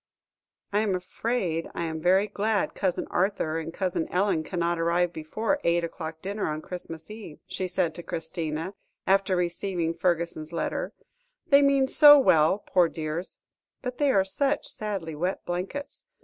"I am afraid I am very glad Cousin Arthur and Cousin Ellen cannot arrive before eight o'clock dinner on Christmas Eve," she said to Christina, after receiving Fergusson's letter; "they mean so well, poor dears, but they are such sadly wet blankets.